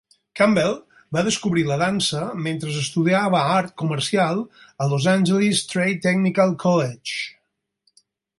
Campbell va descobrir la dansa mentre estudiava Art Comercial a Los Angeles Trade-Technical College.